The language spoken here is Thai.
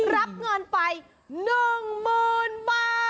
รับงานไป๑หมื่นบาท